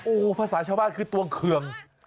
โอ้โหภาษาชาวบ้านคือตัวเคือง